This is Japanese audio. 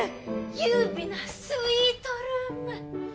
優美なスイートルーム！